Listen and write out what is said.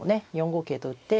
４五桂と打って。